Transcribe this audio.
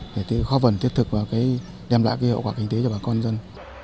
để khó vần thiết thực và đem lại hậu quả kinh tế cho bà con dân